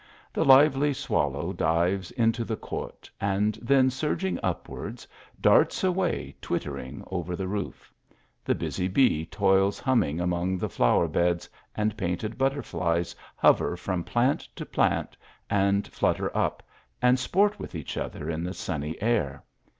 The lively swallow dives into the court, and then surging upwards, darts away twittering over the roof; the busy bee toils humming among the flower beds, and painted butterflies hover from plant to plant, and flutter up, and sport with each other in the sunny air.